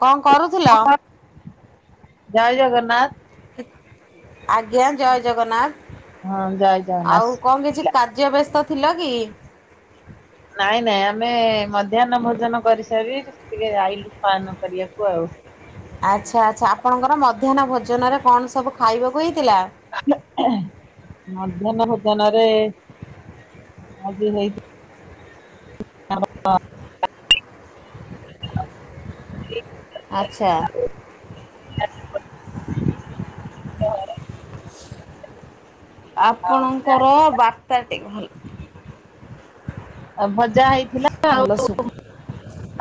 କଁ କରୁଥୁଲ? ଜୟ ଜଗନ୍ନାଥ୍। ଆଜ୍ଞା ଜୟ ଜଗନ୍ନାଥ୍। ହଁ ଜୟ ଆଉ କଁ କିଛି ଜଗନ୍ନାଥ। କାର୍ଯ୍ୟ ବ୍ୟସ୍ତ ଥିଲା କି? ନାଇଁ ନାଇଁ ଆମେ ମଧ୍ୟାହ୍ନ ଭୋଜନ କରିସାରି ଟିକେ ଆଇଲୁ ସୟନ କରିବାକୁ ଆଉ। ଆଚ୍ଛା ଆଚ୍ଛା ଆପଣଙ୍କର ମଧ୍ୟାହ୍ନ ଭୋଜନରେ କଣ ସବୁ ଖାଇବ ହୁଏ। [unintelligible] ମଧ୍ୟାହ୍ନ ଭୋଜନ ରେ ଆଜି ହେଇ [unintelligible] ଇକ୍ ଆଚ୍ଛା। ସେ ଘରେ ଭଜା ଆପଣଙ୍କର ବାର୍ତ୍ତା ଟି ଭଲ୍ ଆଉ ଭଜା ହେଇଥିଲା ଭଲ ଆଉ ଶୁଭୁ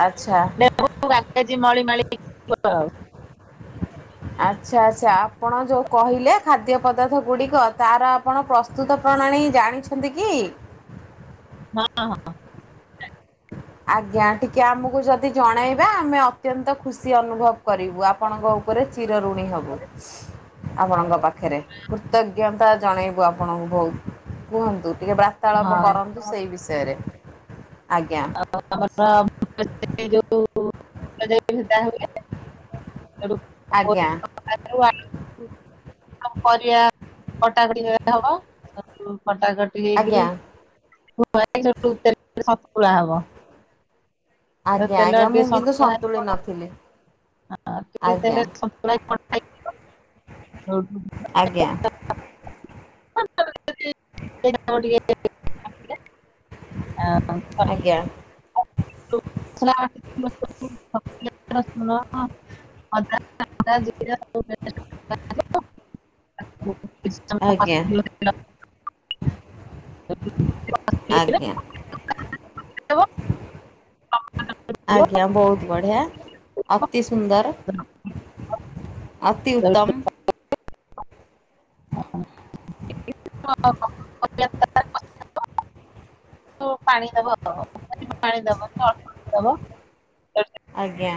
ଆଚ୍ଛା। ନା [unintelligible] ମଳିମାଳି [unintelligible] ଆଉ ଆଚ୍ଛା ଆଚ୍ଛା ଆପଣ ଯୋଉ କହିଲେ ଖାଦ୍ୟ ପଦାର୍ଥ ଗୁଡ଼ିକ ତାର ଆପଣ ପ୍ରସ୍ତୁତ ପ୍ରଣାଳୀ ଜାଣିଛ ଛନ୍ତି କି? ହଁ ହଁ। ଆଜ୍ଞା ଟିକେ ଆମକୁ ଯଦି ଜଣାଇବା ଆମେ ଅତ୍ୟନ୍ତ ଖୁସି ଅନୁଭବ କରିବୁ ଆପଣଙ୍କ ଉପରେ ଚି ଚିର ଋଣୀ ହବୁ ହଁ ଆପଣଙ୍କ ହଉ। ପାଖରେ କୃତଜ୍ଞତା ଜ ଜଣେଇବୁ ଆପଣଙ୍କୁ ବୋହୁ କୁହନ୍ତୁ ଟିକେ ବାର୍ତ୍ତାଳାପ ହଁ କରନ୍ତୁ ସେଇ ବିଷୟରେ। ଆଜ୍ଞା। ଆମର [inaudible] ଯୋଉା [inaudible] ସେଟା ହୁଏ। ଆଜ୍ଞା କରି [unintelligible] ଆଉ ପରିବା କଟାକଟି କେବେ ହବ କଟାକଟି ହେଇକିରି ଆଜ୍ଞା [unintelligible] ହବ ସେ ଆଜ୍ଞା ତେଲରେ ଆଜ୍ଞା ଟିକେ ମୁଁ କିନ୍ତୁ ସନ୍ତୁଳା ସନ୍ତୁଳି ହବ ନଥିଲି ହଁ ଟିକେ ତେଲ ଆଜ୍ଞା ରେ ସନ୍ତୁଳା ହବ ଖାଇକି ଯିବ [unintelligible] ଆଜ୍ଞା। [unintelligible] ଆଉ [unintelligible] [unintelligible] ଆଜ୍ଞା ପିଆଜ ରସୁଣ ଅଦା ଜିରା [unintelligible] ଆଜ୍ଞା [unintelligible] ଆଜ୍ଞା [unintelligible] ଆଜ୍ଞା ବହୁତ ବଢିଆ ଅତି ସୁନ୍ଦର ଅତି ଉତ୍ତମ [unintelligible] ପାଣି ଦବ ପାଣି ଦବ [unintelligible] ଆଜ୍ଞା।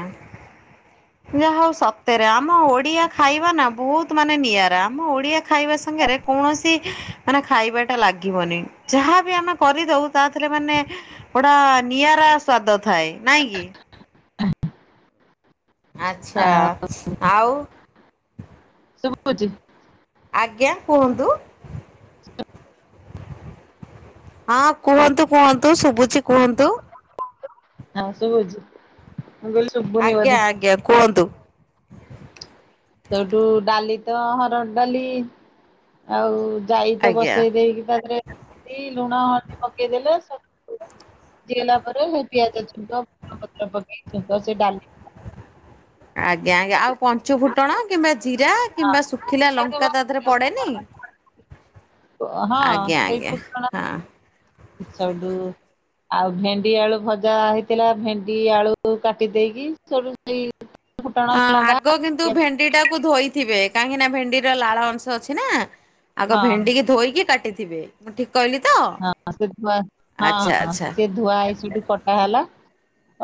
ହ ଯାହା ହଉ ସତରେ ଆମ ଓଡ଼ିଆ ଖାଇବା ନା ବହୁତ ମାନେ ନିଆରା ଆମ ଓଡ଼ିଆ ଖାଇବା ସାଙ୍ଗରେ କୌଣସି ମାନେ ଖାଇବାଟା ଲାଗିବନି ଯାହାବି ଆମେ କରିଦଉ ତା ଥିରେ ମାନେ ପୁରା ନିଆରା ସ୍ଵାଦ ଥାଏ ନାଇଁ କି? ଆଚ୍ଛା ଆଉ ସୁବୁଚି ଆଜ୍ଞା କୁହନ୍ତୁ। ହଁ କୁହନ୍ତୁ କୁହନ୍ତୁ ଶୁଭୁଚି କୁହନ୍ତୁ। ହଁ ଶୁଭୁଚି ମୁଁ କହିଲି ଶୁଭୁନି ଆଜ୍ଞା ବୋଧେ। ଆଜ୍ଞା କୁହନ୍ତୁ। ସେଇଠୁ ଡାଲି ତ ହରଡ଼ ଡାଲି ଆଉ ଯାଇ ତ ଆଜ୍ଞା। ବସେଇ ଦେଇକି ତା ଦେହରେ ଦି ଲୁଣ ହଲଦୀ ପକେଇ ଦେଲେ ସ ସିଜିଗଲା ପରେ ହେଇ ପିଆଜ ଛୁଙ୍କ ଭେରସୁଙ୍ଗା ପତ୍ର ପକେଇ ଛୁଙ୍କ ସେ ଡାଲି ଆଜ୍ଞା ଆଜ୍ଞା ଆଉ ପଞ୍ଚୁ ଫୁଟଣ କିମ୍ବା ଜିରା କିମ୍ବା ଶୁଖିଲା ଲଙ୍କା ତା ଦେହରେ ପଡ଼େନି? ହଁ ଆଜ୍ଞା ସେଇ ଆଜ୍ଞା ଫୁଟଣ ହଁ। ସବୁଠୁ ଆଉ ଭେଣ୍ଡି ଆଳୁ ଭଜା ହେଇଥିଲା ଭେଣ୍ଡି ଆଳୁ କାଟି ଦେଇକି ସେଠୁ ସେଇ ଫୁଟଣ, ଅ ଲଙ୍କା ଆଗ କିନ୍ତୁ ପିଆଜ ଭେଣ୍ଡି ଟାକୁ ଧୋଇଥିବେ କାହିଁକି ନା ଭେଣ୍ଡିର ଲାଳ ଅଂଶ ଅଛି ନା ଆଗ ହଁ ଭେଣ୍ଡି କିି ଧୋଇକି କାଟିଥିବେ ମୁଁ ଠିକ କହିଲି ତ? ହଁ ସେ ଧୁଆ ଆଚ୍ଛା ହଁ ଆଚ୍ଛା ସେ ଧୁଆ ହେଇ ସେଇଠୁ କଟା ହେଲା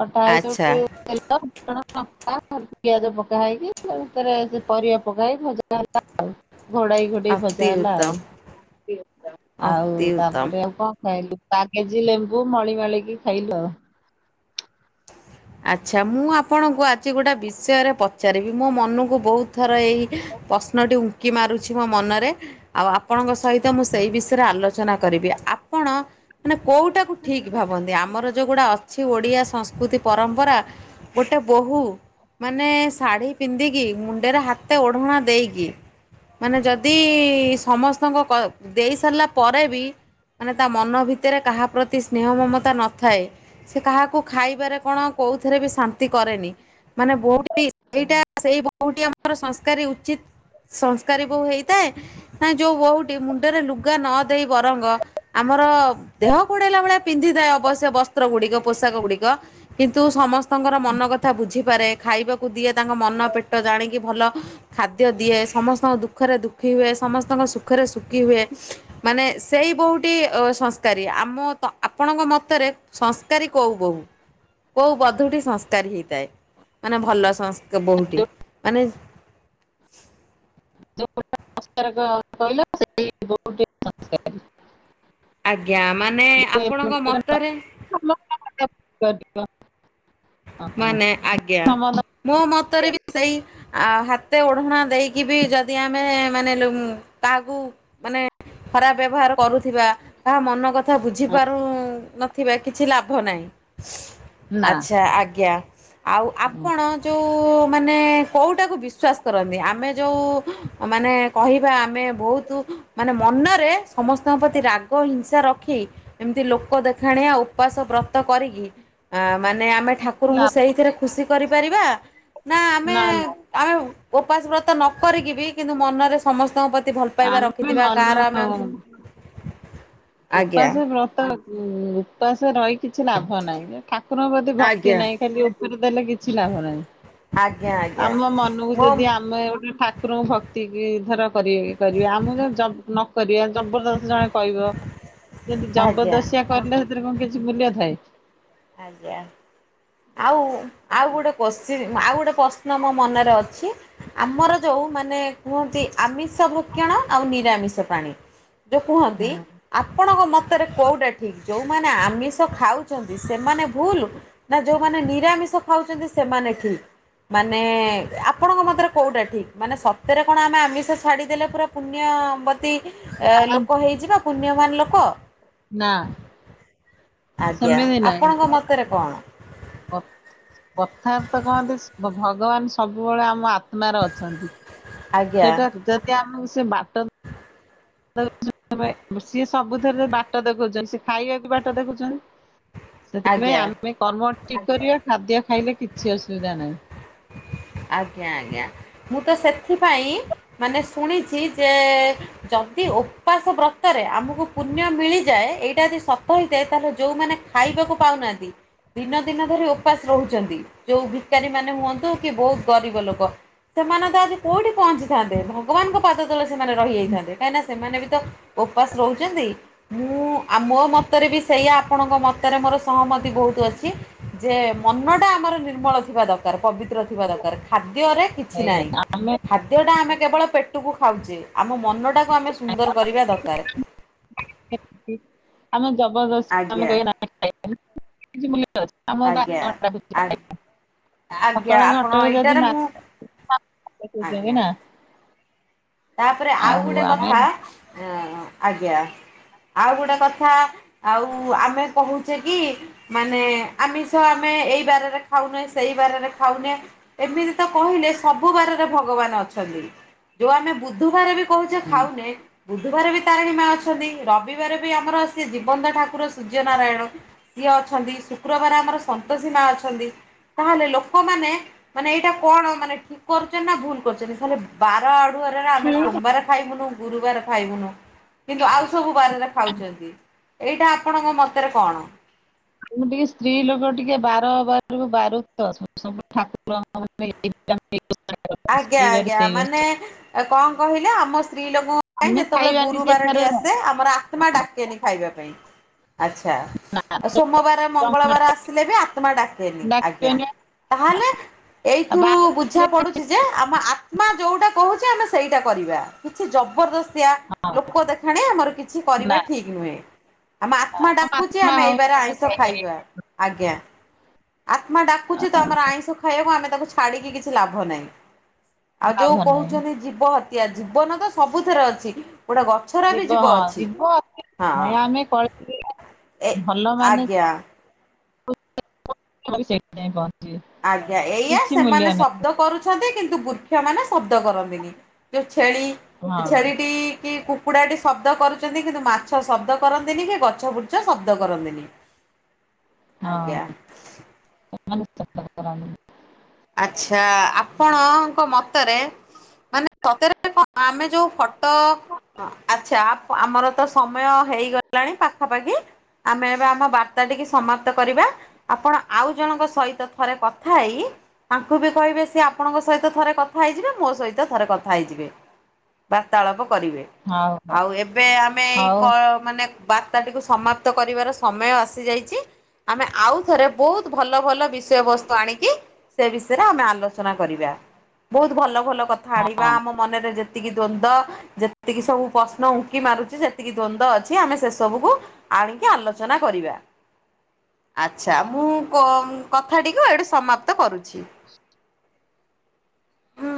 କଟା ହେଇ ଆଚ୍ଛା ସୋଉଟୁ ତେଲ, ଫୁଟଣ, ଲଙ୍କା ସ ପିଆଜ ପକା ହେଇକି ଟା ଉପରେ ପରିବା ପକା ହେଇ ଭଜା ଆଉ ଘୋଡାଇ ଘୋଡ଼େଇ ଅତି ଭଜା ହେଲା ଉତ୍ତମ ଆଉ ଅତି ଆଉ ଉତ୍ତମ। ତାପରେ ଆଉ କଣ ଖାଇଲୁ କାକେଜି ଲେମ୍ବୁ ମଳି ମାଳିକି ଖାଇଲୁ ଆଉ। ଆଚ୍ଛା ମୁଁ ଆପଣଙ୍କୁ ଆଜି ଗୋଟେ ବିଷୟରେ ପଚାରିବି ମୋ ମନକୁ ବହୁତ ଥର ଏ ପ୍ରଶ୍ନଟି ଉଙ୍କି ମାରୁଛି ମୋ ମନରେ ଆଉ ଆପଣଙ୍କ ସହି ତ ମୁଁ ସେଇ ବିଷୟରେ ଆଲୋଚନା କରିବି ଆ ଆପଣ ମାନେ କୋଉଟାକୁ ଠିକ ଭାବନ୍ତି ଆମର ଯୋଉଗୁଡା ଅଛି ଓଡିଆ ସଂସ୍କୃତି ପରା ଗୋଟେ ବୋହୂ ମାନେ ଶାଢ଼ୀ ପିନ୍ଧିକି ମୁଣ୍ଡରେ ହାତେ ଓଢ଼ଣା ଦେଇକି ମାନେ ଯଦି ସମସ୍ତଙ୍କ କ ଦେଇ ସାରିଲା ପରେ ବି ମାନେ ତା ମନ ଭିତରେ କାହା ପ୍ରତି ସ୍ନେହ ମମତା ନଥାଏ ସେ କାହାକୁ ଖାଇବାରେ ଆପଣ କଉଥରେ ବି ଶାନ୍ତି କରେନି ମାନେ ବୋହୂଟି ସେଇଟା ସେଇ ବୋହୂଠି ଆମର ସଂସ୍କାରୀ ଉଚିତ ସଂସ୍କାରୀ ବୋହୂ ହେଇଥାଏ। ନା ଯୋଉ ବୋହୂଟି ମୁଣ୍ଡରେ ଲୁଗା ନ ଦେଇ ବରଙ୍ଗ ଆମ ର ଦେହ ଘୋଡେଇଲା ଭଳିଆ ପିନ୍ଧିଥାଏ ଅବଶ୍ୟ ବସ୍ତ୍ର ଗୁଡିକ, ପୋଷାକ ଗୁଡିକ କିନ୍ତୁ ସମସ୍ତଙ୍କର ମନ କଥା ବୁଝିପାରେ, ଖାଇବାକୁ ଦିଏ ତାଙ୍କ ମନ ପେଟ ଜାଣିକି ଭଲ ଖାଦ୍ୟ ଦିଏ ।ସମସ୍ତଙ୍କ ଦୁଃଖରେ ଦୁଃଖୀ ହୁଏ। ସମସ୍ତଙ୍କ ସୁଖରେ ସୁଖୀ ହୁଏ ।ମାନେ ସେଇ ବୋହୂଟି ସଂସ୍କାରୀ। ଆମ ଆପଣଙ୍କ ମତରେ ସଂସ୍କାରୀ କୋଉ ବୋହୂ? କୋଉ ବଧୂଟି ସଂସ୍କାରୀ ହେଇଥାଏ? ମାନେ ଭଲ ସଂସ୍କରୀ ବହୁଟ, ଯୋଉ ମାନେ [unintelligible] [unintelligible] କହିଲ ସେହି ବୋହୂଟି ସଂସ୍କାରୀ। ଆଜ୍ଞା। ମାନେ ଆପଣଙ୍କ ମତରେ [unintelligible] ମାନେ ଆଜ୍ଞା। ମୋ ମତରେ ବି ସେଇ ଆ ହାତେ ଓଢ଼ଣା ଦେଇକି ବି ଯଦି ଆମେ ମାନେ କାହାକୁ ମାନେ ଖରାପ ବ୍ୟବହାର କରୁଥିବା, କାହା ମନ କଥା ବୁଝିପାରୁ ନଥିବା, କିଛି ଲାଭ ନାହିଁ। ନା। ଆଚ୍ଛା ଆଜ୍ଞା। ଆଉ ଆପଣ ଯୋଉ ମାନେ କୋଉଟାକୁ ବିଶ୍ଵାସ କରନ୍ତି? ଆମେ ଯୋଉ ମାନେ କହିବା ଆମେ ବହୁତ ମାନେ ମନରେ ସମସ୍ତଙ୍କ ପ୍ରତି ରାଗ, ହିଂସା ରଖି ଏମିତି ଲୋକ ଦେଖାଣିଆ ଉପାସ ବ୍ରତ କରିକି ଆ ମାନେ ଆମେ ଠାକୁରଙ୍କୁ ଲାଭ ସେଇଥିରେ ଖୁସି କରିପାରିବା ନା ଆମେ ନାଁ ନାଁ। ଆମେ ଉପାସ ବ୍ରତ ନ କରିକି ବି କିନ୍ତୁ ମନରେ ସମସ୍ତଙ୍କ ପ୍ରତି ଭଲ ପାଇବା ଆମେ ରଖିଥିବା ମନ କାହାର ଆମେ ଆଜ୍ଞା। ଉପାସ ବ୍ରତ ଉ ଉପାସ ରହି କିଛି ଲାଭ ନାହିଁ। ଠାକୁରଙ୍କ ପ୍ରତି ଭକ୍ତି ଆଜ୍ଞା। ନାହିଁ ଖାଲି ଉପରେ ଦେଲେ କିଛି ଲାଭ ନାହିଁ। ଆଜ୍ଞା ଆଜ୍ଞା ଆମ ମନକୁ ମୋ ଯଦି ଆମେ ଗଟେ ଠାକୁରଙ୍କୁ ଭକ୍ତି କି ଧର କରିବ କରିବେ। ଆମ ନକରିବେ ଜବରଦସ୍ତ ଜଣେ କହିବ ଯେମିତି ଜବର ଆଜ୍ଞା ଦସ୍ତିଆ କଲେ ସେଥିରେ କଣ କିଛି ମୂଲ୍ୟ ଥାଏ। ଆଜ୍ଞା। ଆଉ ଆଉ ଗୋଟେ କୋଶ୍ଚିନ ଆଉ ଗୋଟେ ପ୍ରଶ୍ନ ମୋ ମନରେ ଅଛି। ଆମର ଯୋଉ ମାନେ କୁହନ୍ତି ଆମିଷ ଭକ୍ଷଣ ଆଉ ନି ନିରାମିଷ ପାଣି ଯେଉଁ କୁହନ୍ତି ନା ।ଆପଣଙ୍କ ମତରେ କେଉଁଟା ଠିକ୍? ଯେଉଁମାନେ ଆମିଷ ଖାଉଛନ୍ତି ସେମାନେ ଭୁଲ ନା ଯୋଉମାନେ ନିରାମିଷ ଖାଉଛନ୍ତି ସେମାନେ ଠିକ୍। ମାନେ ଆପଣଙ୍କ ମତରେ କୋଉଟା ଠିକ? ମାନେ ସତରେ କଣ ଆମେ ଆମିଷ ଛାଡିଦେଲେ ପୁରା ପୁଣ୍ୟ ବତୀ ଲୋକ ହେଇଯିବା। ପୁଣ୍ୟମାନ ଲୋକ। ନା। ଆଜ୍ଞା। ଆପଣଙ୍କ ମତରେ କଣ? କଥ କଥାରେ ତ କହନ୍ତି ଭଗବାନ ସବୁବେଳେ ଆମ ଆ ରେ ଅଛନ୍ତି। ଆଜ୍ଞା ସେଟା ଯଦି ଆମକୁ ସେ ବାଟ [unintelligible] ସବୁଥିରେ ବାଟ ଦେଖଉଛନ୍ତି। ସିଏ ଖାଇବାକୁ ବାଟ ଦେଖାଉଛନ୍ତି ସେଥିପାଇଁ ଆଜ୍ଞା। ଆମେ କର୍ମ ଠିକ୍ କରିବା। ଖାଦ୍ୟ ଖାଇଲେ କିଛି ଅସୁବିଧା ନାହିଁ। ଆଜ୍ଞା ଆଜ୍ଞା। ମୁଁ ତ ସେଥିପାଇଁ ମାନେ ଶୁଣିଛି ଯେ ଯ ଯଦି ଉପାସ ବ୍ରତରେ ଆମକୁ ପୁଣ୍ୟ ମିଳିଯାଏ ଏଇଟା ଯଦି ସତ ହେଇଥାଏ। ତାହେଲେ ଯଉମାନେ ଖା ଇବାକୁ ପାଉନାହାନ୍ତି ଦିନ ଦିନ ଧରି ଉପାସ ରହୁଛନ୍ତି ଯୋଉ ଭିକାରୀ ମାନେ ହୁଅନ୍ତୁ କି ବହୁତ ଗରିବ ଲୋକ ସେମାନେ ତ ଆଜି କୋଉଠି ପହଞ୍ଚିଥାନ୍ତେ। ଭଗବାନଙ୍କ ପାଦ ତଳେ ସେମାନେ ରହିଯାଇଥାନ୍ତେ। କାହିଁକିନା ସେମାନେ ବି ତ ଉପାସ ରହୁଛନ୍ତି। ମୁଁ ମୋ ମତରେ ବି ସେଇଆ ଆପଣଙ୍କ ମତରେ ମୋର ସହମତି ବହୁତ ଅଛି। ଯେ ମନ ଟା ଆମର ନିର୍ମଳ ଥିବା ଦରକାର। ପବିତ୍ର ଥିବା ଦରକାର। ଖାଦ୍ୟରେ କିଛି ନାହିଁ। ଆମେ ଖାଦ୍ୟଟା ଆମେ କେବଳ ପେଟକୁ ଖାଉଚେ। ଆମ ମନଟା ତାାକୁ ଆମେ ସୁନ୍ଦର କରିବା ଦରକାରେ। ଜବର ଦସ୍ତି ଆମେ କହିବା ଆମ [unintelligible] ଆଜ୍ଞା ଆ ଆଜ୍ଞା ସକାଳ ଆପଣ ଅଟୋରେ ଯଦି ଏଇଟାରେ ନା ମୁଁ ଆଜ୍ଞା [unintelligible] ତାପରେ ଆଉ ଗୋଟେ କଥା ଅ ଆଜ୍ଞା। ଆଉ ଗୋଟେଏ କଥା ଆଉ ଆମେ କହୁଛେ କି ମାନେ ଆମିଷ ଆମେ ଏଇ ବାରରେ ଖାଉନେ ସେଇ ବାରରେ ଖାଉନେ ଏମିତି ତ କହିଲେ ସବୁ ବାରରେ ଭଗବାନ ଅ ଯୋଉ ଆମେ ବୁଧବାର ବି କହୁଛେ ଖାଉନେ ବୁଧବାରେ ବି ତାରିଣୀ ମା ଅଛନ୍ତି ରବିବାରେ ବି ଆମର ସେ ଜୀବନ୍ତ ଠାକୁର ସୂର୍ଯ୍ୟ ନାରାୟଣ ସିଏ ଅଛନ୍ତି ଶୁକ୍ରବାର ଆମର ସନ୍ତୋଷୀ ମା ଅଛନ୍ତି ତାହେଲେ ଲୋକମାନେ ମାନେ ଏଇଟା କଣ ମାନେ ଠିକ କରୁଛନ୍ତି ନା ଭୁଲ କରୁଛନ୍ତି ଖଲେ ବାର ଆଡୁ ଆମେ ସୋମବାର ଖାଇବୁନୁ ଗୁରୁବାର ଖାଇବୁନୁ କିନ୍ତୁ ଆଉ ସବୁ ବାରରେ ଖାଉଛନ୍ତି ଏଇଟା ଆପଣଙ୍କ ମତରେ କଣ? ମୁଁ ଟିକେ ସ୍ତ୍ରୀ ଲୋକ ଟିକେ ବା [unintelligible] ଆଜ୍ଞା ଆଜ୍ଞା ମାନେ କଣ କହିଲ ଆମ ସ୍ତ୍ରୀ ଲୋକଙ୍କ ପାଇଁ ଆମେ ଯେତେବେଳେ ଖାଇବାନି ସେଇ ଗୁରୁବାରଟିେ ବାର ଆସେ ଆମର ଆତ୍ମା ଡାକେନି ଖାଇବା ପାଇଁ। ଆଚ୍ଛା ଆଉ ସୋମବାର ମଙ୍ଗଳବାର ଆସିଲେ ବି ଆତ୍ମା ଡାକେନି ଆଜ୍ଞା। ଡାକିବାନି ତାହେଲେ ଆଉ ଏଇଥିରୁ ବାର ବୁଝା ପଡୁଛି ଆମ ଆତ୍ମା ଯୋଉଟା କହୁଛି ଆମେ ସେଇଟା କରିବା କିଛି ଜବରଦ ଲୋକ ଦେଖାଣିଆ ଆମର କିଛି ନା କରିବା ଠିକ ନୁହେଁ। ଆମେ ଆତ୍ମା ଡାକୁଛିେ ଜମା ଆମେ ହଉନି ଏଇବାର ଆମେ ଆଇଁଷ ଖାଇବାନି ଖାଇବା ଆଜ୍ଞା। ଆତ୍ମା ଡାକୁଛି ତ ଆମର ଆଇଁଷ ଖାଇବାକୁ ଆମେ ତାକୁ ଛାଡିକି କିଛି ଲାଭ ନାହିଁ। ଆଉ ଯୋଉ ଲାଭ ନାହିଁ କହୁଛନ୍ତି ଜୀବ ହତ୍ୟା ଜୀବନ ତ ସବୁଥିରେ ଅଛି। ଗୋଟେ ଗଛର ବି ଯିବ ହଁ ଅଛି ଅଛି। ହଁ। ନାଇଁ ଆମେ କଳି ଏ ଆଜ୍ଞା। ସେ [unintelligible] ଆଜ୍ଞା ଏଇଆା ସେମାନେ ଶବ୍ଦ କରୁଛନ୍ତି କିନ୍ତୁ ବୃକ୍ଷ ମାନେ ଶବ୍ଦ କରନ୍ତିନି। ଛେଳି ହଁ ଛେଳିଟି କି କୁକୁଡ଼ାଟି ଶବ୍ଦ କରୁଛନ୍ତି କିନ୍ତୁ ମାଛ ଶବ୍ଦ କରନ୍ତିନି କି ଗଛ ବୁଛ ଶବ୍ଦ କରନ୍ତିନି। ଁ ଆଜ୍ଞା। ମନ [unintelligible] ଆଛା ଆପଣଙ୍କ ମତରେ ମାନେ ସତରେ କଣ ଆମେ ଯୋଉ ଫଟୋ ଆଚ୍ଛା ଆମର ତ ସମୟ ହେଇଗଲାଣି ପାଖାପାଖି ଆମେ ଏବେ ଆମ ବାର୍ତ୍ତା ଟିକ ସମାପ୍ତ କରିବା ଆପଣ ଆଉ ଜଣଙ୍କ ସହିତ ଥରେ କଥା ହେଇ ତାଙ୍କୁ ବି କହିବେ ସି ଆପଣଙ୍କ ସହିତ ଥରେ କଥା ହେଇଯିବେ ମୋ ସହିତ ଥରେ କଥା ହେଇଯିବେ। ବାର୍ତ୍ତାଳାପ କରିବେ ହଉ ହଉ ଆଉ ଏବେ ଆମେ ଏଇ ହଉ ମାନେ ବାର୍ତ୍ତାଟିକୁ ସମାପ୍ତ କରିବାର ସମୟ ଆସିଯାଇଛି। ଆମେ ଆଉ ଥରେ ବହୁତ ଭଲ ଭଲ ବିଷୟ ବସ୍ତୁ ଆଣିକି ସେ ବିଷୟରେ ଆମେ ଆଲୋଚନା କରିବା ବହୁତ ଭଲ ଭଲ କଥା ହଁ ଆଣିବା ଆମ ମନରେ ଯେ ଯେତିକି ଦ୍ଵନ୍ଦ ଯେତିକି ସବୁ ପ୍ରଶ୍ନ ଉଙ୍କି ମାରୁଛି ଯେତିକି ଦ୍ଵନ୍ଦ୍ୱ ଅଛି ଆମେ ସେ ସବୁକୁ ଆଣିକି ଆଲୋଚନା କରିବା। ଆଛା ମୁଁ କଥା ତିକୁ ଏଇଠି ସମାପ୍ତ କରୁଛି। ହଁ।